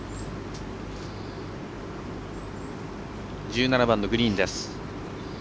１７番のグリーンです。